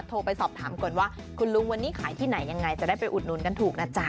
โทรไปสอบถามก่อนว่าคุณลุงวันนี้ขายที่ไหนยังไงจะได้ไปอุดหนุนกันถูกนะจ๊ะ